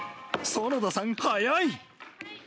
園田さん、速い。